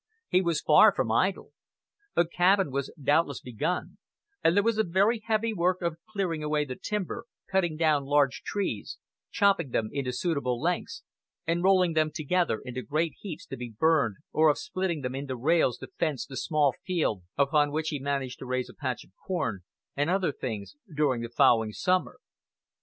He was far from idle. A cabin was doubtless begun, and there was the very heavy work of clearing away the timber cutting down large trees, chopping them into suitable lengths, and rolling them together into great heaps to be burned, or of splitting them into rails to fence the small field upon which he managed to raise a patch of corn and other things during the following summer.